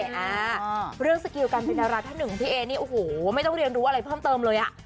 อ่าเรื่องสกิลการเป็นดาราท่านหนึ่งของพี่เอนี่โอ้โหไม่ต้องเรียนรู้อะไรเพิ่มเติมเลยอ่ะ